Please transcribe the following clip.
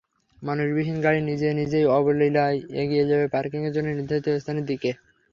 মানুষবিহীন গাড়ি নিজে নিজেই অবলীলায় এগিয়ে যাবে পার্কিংয়ের জন্য নির্ধারিত স্থানের দিকে।